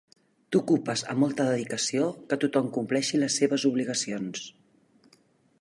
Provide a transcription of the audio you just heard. T'ocupes amb molta dedicació que tothom compleixi les seves obligacions.